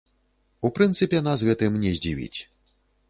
У прынцыпе, нас гэтым не здзівіць.